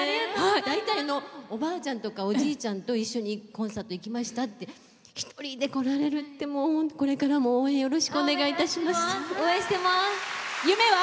大体、おばあちゃんとかおじいちゃんと一緒にコンサート行きましたって一人で来られるってこれからも応援よろしくお願いいたします。